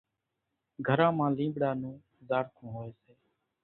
گھران مان لينٻڙا نون زاڙکون هوئيَ سي۔